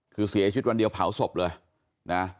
คือเสียชีวิตวันเดียวเผาศพเลยนะ